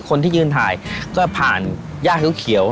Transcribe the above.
คนที่ยืนถ่ายก็ผ่านย่าเขียว